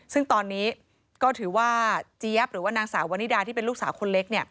ซึ่งตอนนี้ก็ถือว่าเจี๊ยบหรือว่านางสาววนิดาที่เป็นลูกสาวคนเล็ก